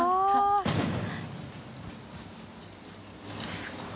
すごい。